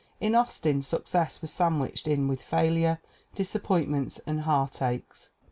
In Austin success was sandwiched in with failure, disappointments and heartaches.